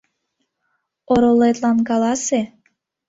Оролетлан каласе...